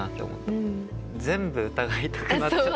全部疑いたくなっちゃって。